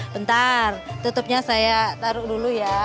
bentar tutupnya saya taruh dulu ya